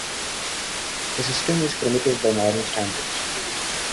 The system was primitive by modern standards.